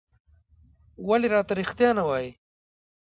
ولې راته رېښتيا نه وايې؟